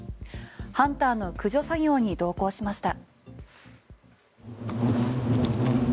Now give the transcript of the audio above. ハンターの駆除作業に同行しました。